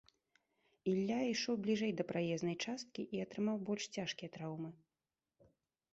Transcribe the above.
Ілля ішоў бліжэй да праезнай часткі і атрымаў больш цяжкія траўмы.